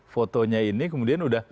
fotonya ini kemudian